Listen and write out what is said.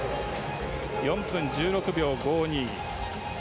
４分１６秒５２。